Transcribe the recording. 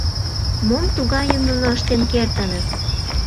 Мом тугайым нуно ыштен кертыныт?